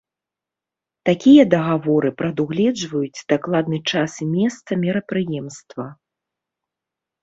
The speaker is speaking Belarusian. Такія дагаворы прадугледжваюць дакладны час і месца мерапрыемства.